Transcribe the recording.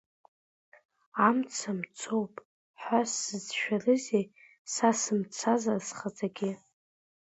Амца мцоуп ҳәа сзацәшәарызеи, са сымцазар схаҭагьы.